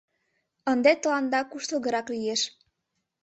Ынде тыланда куштылгырак лиеш.